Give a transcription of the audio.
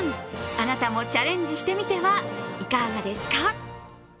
あなたもチャレンジしてみてはいかがですか？